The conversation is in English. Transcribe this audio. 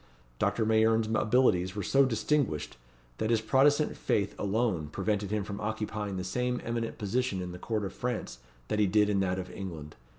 Doctor Mayerne's abilities were so distinguished, that his Protestant faith alone, prevented him from occupying the same eminent position in the court of France that he did in that of England.